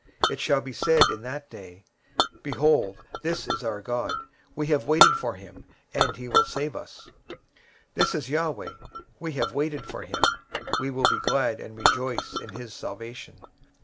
23:025:009 And it shall be said in that day, Lo, this is our God; we have waited for him, and he will save us: this is the LORD; we have waited for him, we will be glad and rejoice in his salvation.